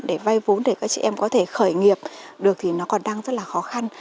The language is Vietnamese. để vay vốn để các chị em có thể khởi nghiệp được thì nó còn đang rất là khó khăn